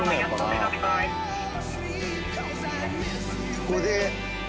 ここで。